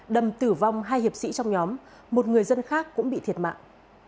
đâm tử vong hai hiệp sĩ trong nhóm một người dân khác cũng bị thiệt mạng